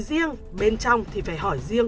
riêng bên trong thì phải hỏi riêng